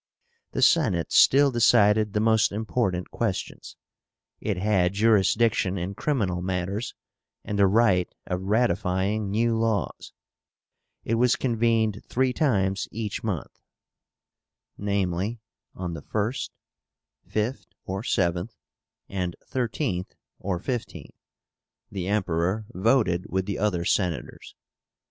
The Senate still decided the most important questions. It had jurisdiction in criminal matters, and the right of ratifying new laws. It was convened three times each month; viz. on the 1st, 5th (or 7th), and 13th (or 15th). The Emperor voted with the other Senators.